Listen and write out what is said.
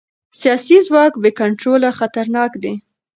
سیاسي ځواک بې کنټروله خطرناک دی